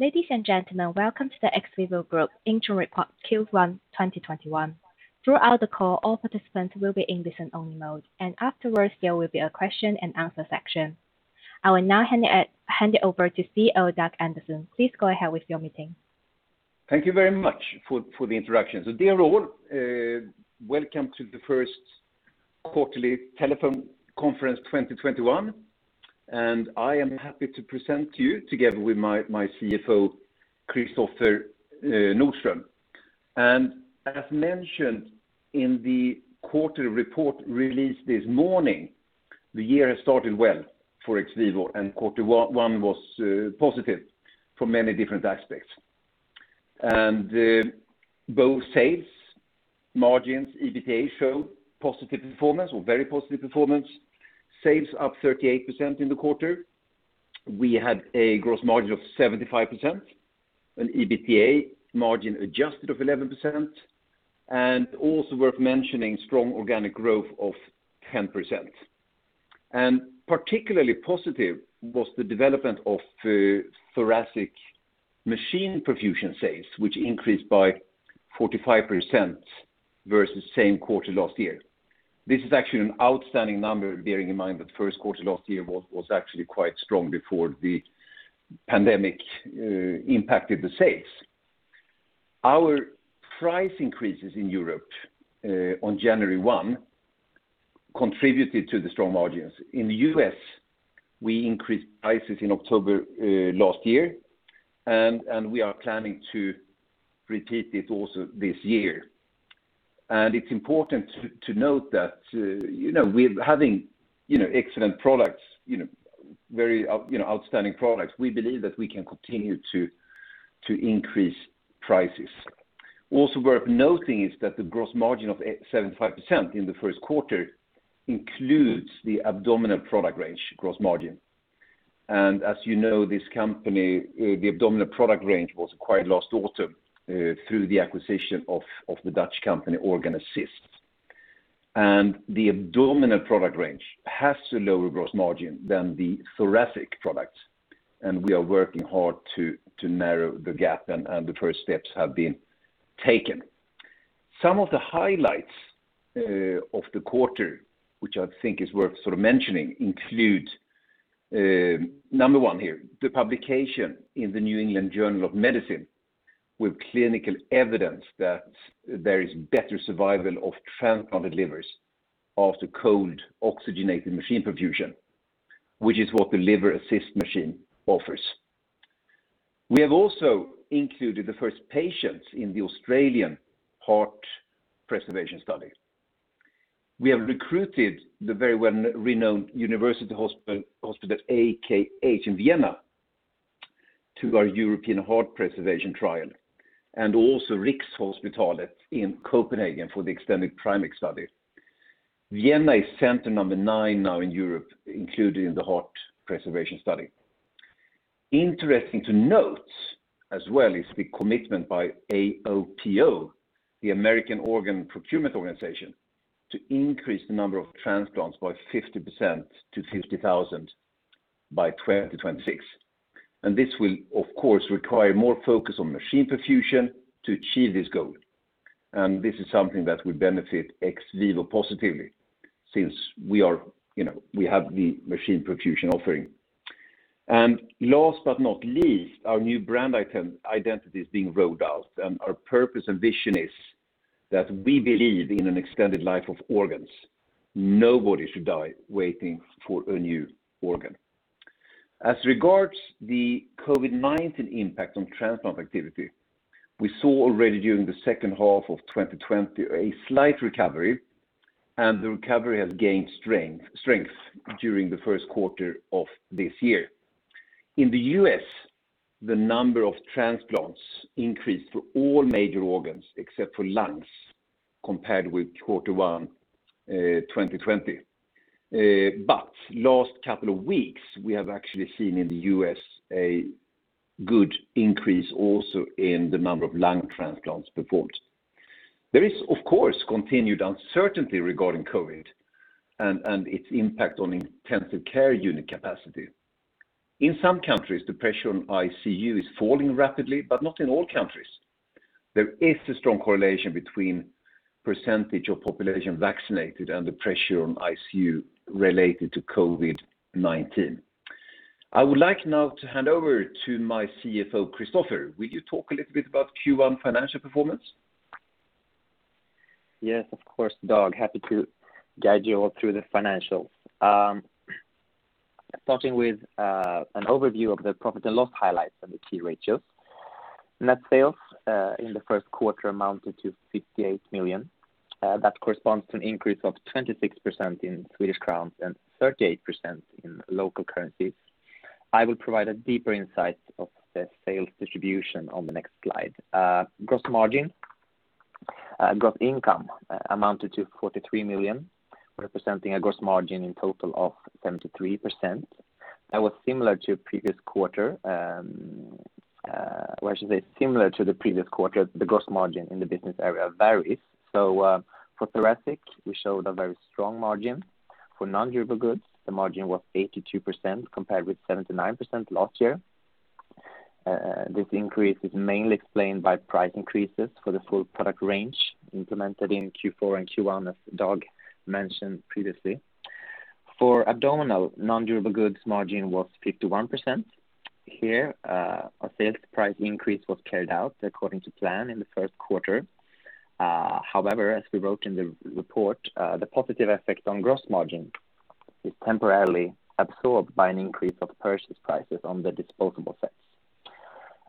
Ladies and gentlemen, welcome to the XVIVO Group interim report Q1 2021. Throughout the call, all participants will be in listen-only mode. Afterwards there will be a question and answer section. I will now hand it over to CEO Dag Andersson. Please go ahead with your meeting. Thank you very much for the introduction. Dear all, welcome to the first quarterly telephone conference 2021. I am happy to present to you together with my CFO, Kristoffer Nordström. As mentioned in the quarterly report released this morning, the year has started well for XVIVO, and quarter one was positive from many different aspects. Both sales, margins, EBITDA show positive performance or very positive performance. Sales up 38% in the quarter. We had a gross margin of 75%, an EBITDA margin adjusted of 11%, and also worth mentioning, strong organic growth of 10%. Particularly positive was the development of thoracic machine perfusion sales, which increased by 45% versus same quarter last year. This is actually an outstanding number, bearing in mind that the first quarter last year was actually quite strong before the pandemic impacted the sales. Our price increases in Europe on January 1 contributed to the strong margins. In the U.S., we increased prices in October last year, and we are planning to repeat it also this year. It's important to note that we're having excellent products, very outstanding products. We believe that we can continue to increase prices. Also worth noting is that the gross margin of 75% in the first quarter includes the abdominal product range gross margin. As you know, this company, the abdominal product range, was acquired last autumn through the acquisition of the Dutch company, Organ Assist. The abdominal product range has a lower gross margin than the thoracic products, and we are working hard to narrow the gap, and the first steps have been taken. Some of the highlights of the quarter, which I think is worth sort of mentioning, include, number one here, the publication in The New England Journal of Medicine with clinical evidence that there is better survival of transplanted livers after cold oxygenated machine perfusion, which is what the Liver Assist machine offers. We have also included the first patients in the Australian heart preservation study. We have recruited the very well-renowned university hospital, AKH in Vienna, to our European heart preservation trial, and also Rigshospitalet in Copenhagen for the extended PrimECC study. Vienna is center number nine now in Europe, included in the heart preservation study. Interesting to note as well is the commitment by AOPO, the American Organ Procurement Organization, to increase the number of transplants by 50% to 50,000 by 2026. This will, of course, require more focus on machine perfusion to achieve this goal. This is something that will benefit XVIVO positively since we have the machine perfusion offering. Last but not least, our new brand identity is being rolled out, and our purpose and vision is that we believe in an extended life of organs. Nobody should die waiting for a new organ. As regards the COVID-19 impact on transplant activity, we saw already during the second half of 2020, a slight recovery, and the recovery has gained strength during the first quarter of this year. In the U.S., the number of transplants increased for all major organs except for lungs compared with Q1 2020. Last couple of weeks, we have actually seen in the U.S. a good increase also in the number of lung transplants performed. There is, of course, continued uncertainty regarding COVID and its impact on ICU capacity. In some countries, the pressure on ICU is falling rapidly, but not in all countries. There is a strong correlation between percentage of population vaccinated and the pressure on ICU related to COVID-19. I would like now to hand over to my CFO, Kristoffer. Will you talk a little bit about Q1 financial performance? Yes, of course, Dag. Happy to guide you all through the financials. Starting with an overview of the profit and loss highlights and the key ratios. Net sales in the first quarter amounted to 58 million. That corresponds to an increase of 26% in Swedish kronor and 38% in local currency. I will provide a deeper insight of the sales distribution on the next slide. Gross margin. Gross income amounted to 43 million, representing a gross margin in total of 73%. That was similar to the previous quarter, the gross margin in the business area varies. For thoracic, we showed a very strong margin. For non-durable goods, the margin was 82% compared with 79% last year. This increase is mainly explained by price increases for the full product range implemented in Q4 and Q1, as Dag mentioned previously. For abdominal, non-durable goods margin was 51%. Our sales price increase was carried out according to plan in the first quarter. As we wrote in the report, the positive effect on gross margin is temporarily absorbed by an increase of purchase prices on the disposable sets.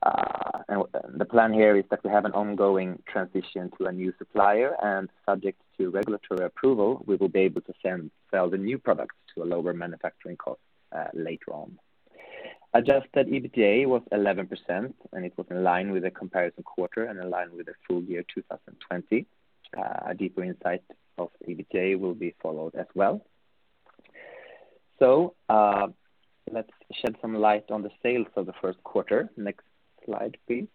The plan here is that we have an ongoing transition to a new supplier, and subject to regulatory approval, we will be able to sell the new products to a lower manufacturing cost later on. Adjusted EBITDA was 11% and it was in line with the comparison quarter and in line with the full year 2020. A deeper insight of EBITDA will be followed as well. Let's shed some light on the sales for the first quarter. Next slide, please.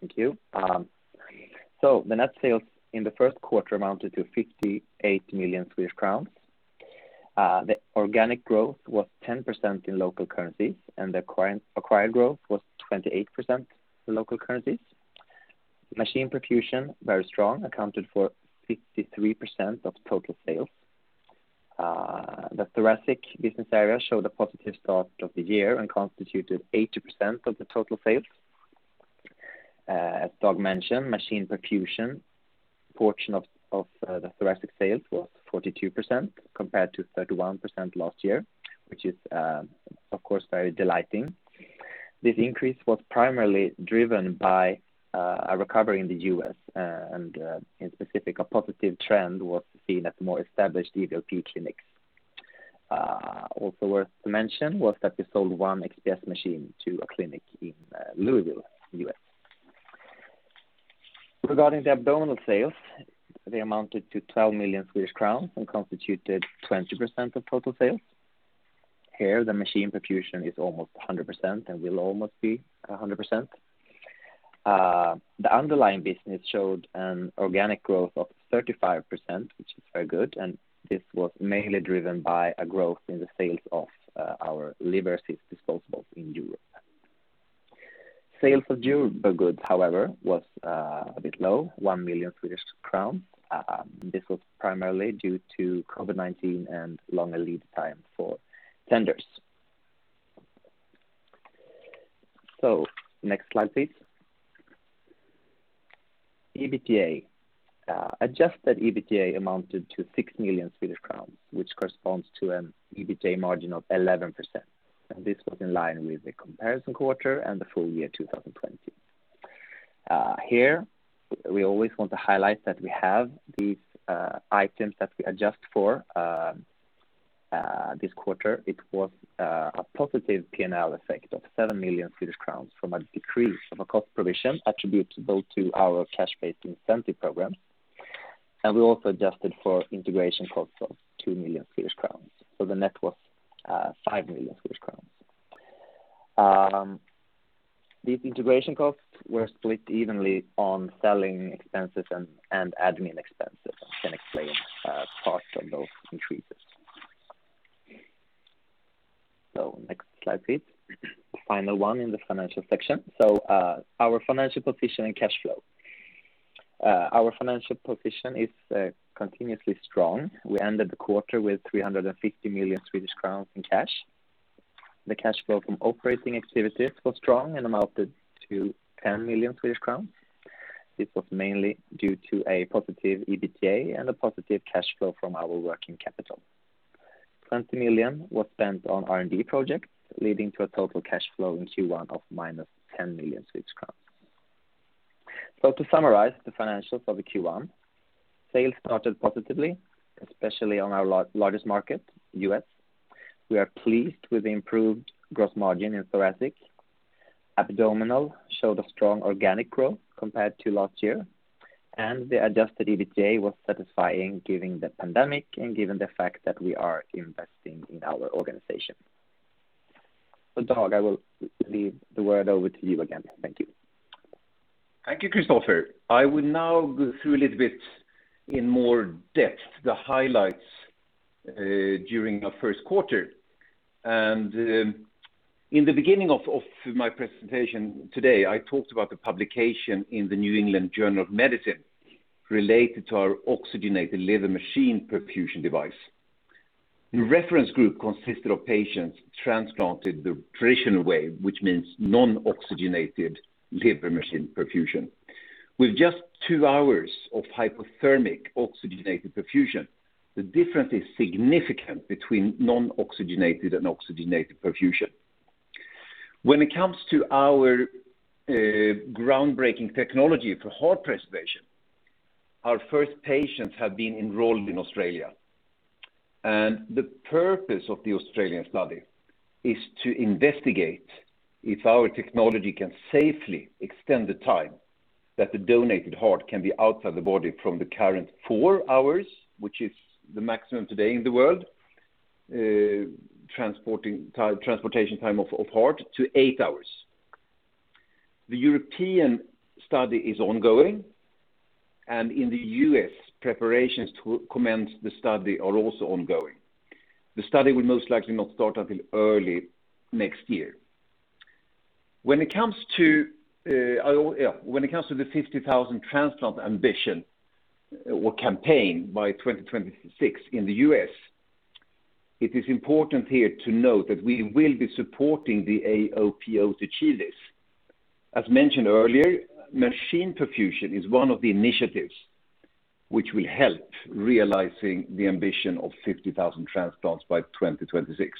Thank you. The net sales in the first quarter amounted to 58 million Swedish crowns. The organic growth was 10% in local currencies, and the acquired growth was 28% in local currencies. Machine perfusion, very strong, accounted for 53% of total sales. The thoracic business area showed a positive start of the year and constituted 80% of the total sales. As Dag mentioned, machine perfusion portion of the thoracic sales was 42% compared to 31% last year, which is, of course, very delighting. This increase was primarily driven by a recovery in the U.S. and in specific, a positive trend was seen at more established EVLP clinics. Also worth to mention was that we sold one XPS machine to a clinic in Louisville, U.S. Regarding the abdominal sales, they amounted to 12 million Swedish crowns and constituted 20% of total sales. Here, the machine perfusion is almost 100% and will almost be 100%. The underlying business showed an organic growth of 35%, which is very good. This was mainly driven by a growth in the sales of our Liver Assist disposables in Europe. Sales of durable goods, however, was a bit low, 1 million Swedish crowns. This was primarily due to COVID-19 and longer lead time for tenders. Next slide, please. Adjusted EBITDA amounted to 6 million Swedish crowns, which corresponds to an EBITDA margin of 11%. This was in line with the comparison quarter and the full year 2020. Here, we always want to highlight that we have these items that we adjust for this quarter. It was a positive P&L effect of 7 million Swedish crowns from a decrease of a cost provision attributable to our cash-based incentive program. We also adjusted for integration costs of 2 million Swedish crowns. The net was 5 million Swedish crowns. These integration costs were split evenly on selling expenses and admin expenses, can explain parts of those increases. Next slide, please. Final one in the financial section. Our financial position and cash flow. Our financial position is continuously strong. We ended the quarter with 350 million Swedish crowns in cash. The cash flow from operating activities was strong and amounted to 10 million Swedish crowns. This was mainly due to a positive EBITDA and a positive cash flow from our working capital. 20 million was spent on R&D projects, leading to a total cash flow in Q1 of -10 million crowns. To summarize the financials of the Q1, sales started positively, especially on our largest market, U.S. We are pleased with the improved gross margin in thoracic. Abdominal showed a strong organic growth compared to last year, and the adjusted EBITDA was satisfying given the pandemic and given the fact that we are investing in our organization. Dag, I will leave the word over to you again. Thank you. Thank you, Kristoffer. I will now go through a little bit in more depth the highlights during our first quarter. In the beginning of my presentation today, I talked about the publication in The New England Journal of Medicine related to our oxygenated liver machine perfusion device. The reference group consisted of patients transplanted the traditional way, which means non-oxygenated liver machine perfusion. With just two hours of hypothermic oxygenated perfusion, the difference is significant between non-oxygenated and oxygenated perfusion. When it comes to our groundbreaking technology for heart preservation, our first patients have been enrolled in Australia. The purpose of the Australian study is to investigate if our technology can safely extend the time that the donated heart can be outside the body from the current four hours, which is the maximum today in the world, transportation time of heart to eight hours. The European study is ongoing, and in the U.S., preparations to commence the study are also ongoing. The study will most likely not start until early next year. When it comes to the 50,000 transplant ambition or campaign by 2026 in the U.S., it is important here to note that we will be supporting the AOPO to achieve this. As mentioned earlier, machine perfusion is one of the initiatives which will help realizing the ambition of 50,000 transplants by 2026.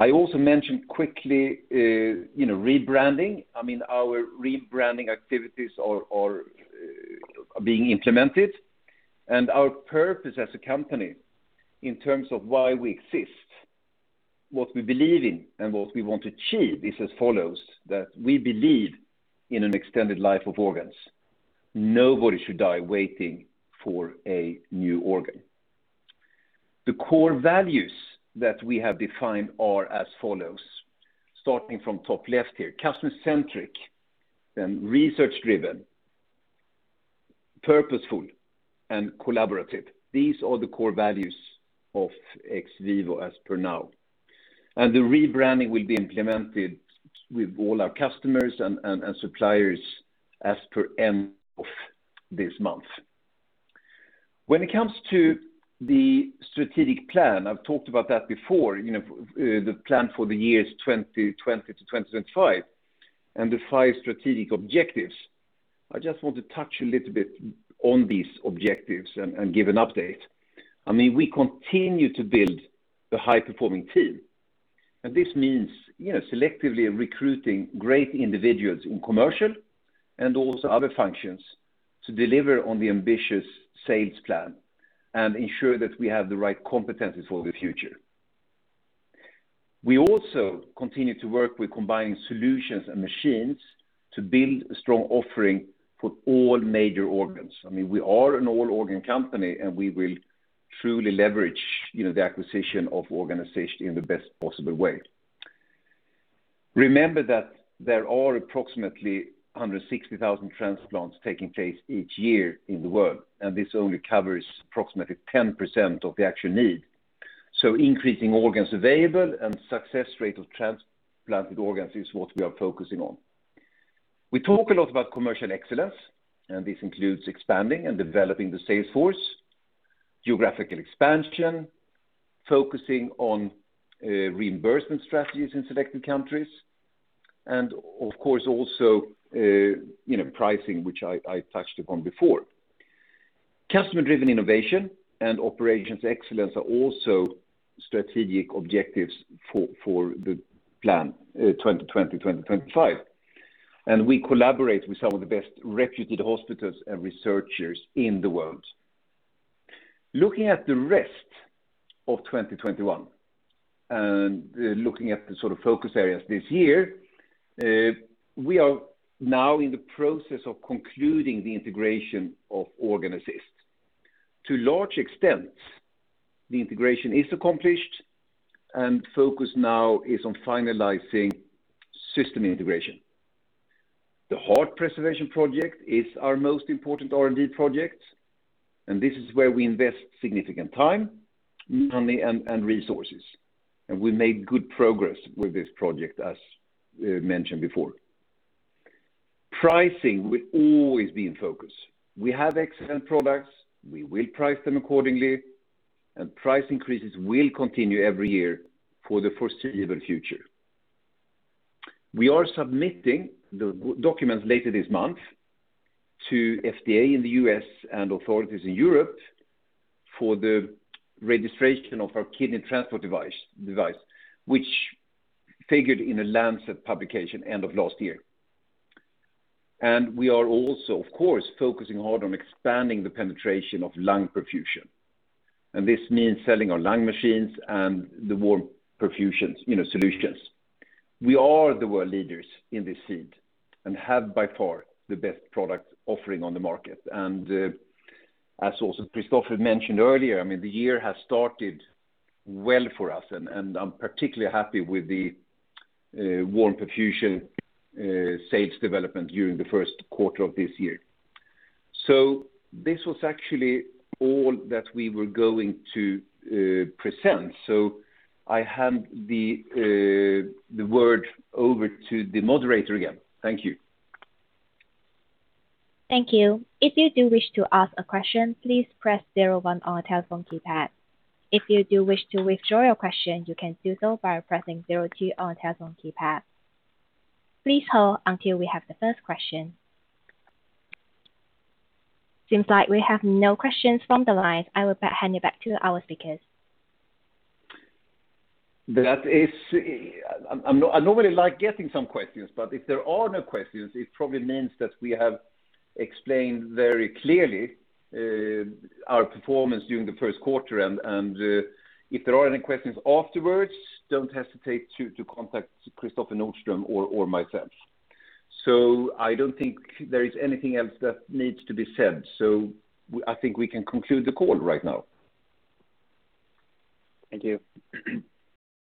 I also mentioned quickly rebranding. Our rebranding activities are being implemented, and our purpose as a company in terms of why we exist, what we believe in, and what we want to achieve is as follows, that we believe in an extended life of organs. Nobody should die waiting for a new organ. The core values that we have defined are as follows, starting from top left here, customer-centric, then research-driven, purposeful, and collaborative. These are the core values of XVIVO as of now. The rebranding will be implemented with all our customers and suppliers as per end of this month. When it comes to the strategic plan, I've talked about that before, the plan for the years 2020 to 2025, and the five strategic objectives. I just want to touch a little bit on these objectives and give an update. We continue to build a high-performing team, this means selectively recruiting great individuals in commercial and also other functions to deliver on the ambitious sales plan and ensure that we have the right competencies for the future. We also continue to work with combining solutions and machines to build a strong offering for all major organs. We are an all-organ company. We will truly leverage the acquisition of Organ Assist in the best possible way. Remember that there are approximately 160,000 transplants taking place each year in the world, and this only covers approximately 10% of the actual need. Increasing organs available and success rate of transplanted organs is what we are focusing on. We talk a lot about commercial excellence, and this includes expanding and developing the sales force, geographical expansion, focusing on reimbursement strategies in selected countries, and of course, also pricing, which I touched upon before. Customer-driven innovation and operations excellence are also strategic objectives for the plan 2020-2025. We collaborate with some of the best reputed hospitals and researchers in the world. Looking at the rest of 2021 and looking at the sort of focus areas this year, we are now in the process of concluding the integration of Organ Assist. To large extent, the integration is accomplished. Focus now is on finalizing system integration. The heart preservation project is our most important R&D project. This is where we invest significant time, money, and resources. We made good progress with this project, as mentioned before. Pricing will always be in focus. We have excellent products, we will price them accordingly. Price increases will continue every year for the foreseeable future. We are submitting the documents later this month to FDA in the U.S. and authorities in Europe for the registration of our kidney transport device, which figured in a Lancet publication end of last year. We are also, of course, focusing hard on expanding the penetration of lung perfusion. This means selling our lung machines and the warm perfusion solutions. We are the world leaders in this field and have by far the best product offering on the market. As also Kristoffer mentioned earlier, the year has started well for us and I'm particularly happy with the warm perfusion sales development during the first quarter of this year. This was actually all that we were going to present. I hand the word over to the moderator again. Thank you. Thank you. If you do wish to ask a question, please press zero one on your telephone keypad. If you do wish to withdraw your question, you can do so by pressing zero two on your telephone keypad. Please hold until we have the first question. Seems like we have no questions from the lines. I will hand you back to our speakers. I normally like getting some questions. If there are no questions, it probably means that we have explained very clearly our performance during the first quarter. If there are any questions afterwards, don't hesitate to contact Kristoffer Nordström or myself. I don't think there is anything else that needs to be said. I think we can conclude the call right now. Thank you.